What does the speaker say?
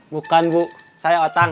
bukan bu saya otang